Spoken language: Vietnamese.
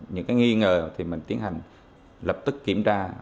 những cái nghi ngờ thì mình tiến hành lập tức kiểm tra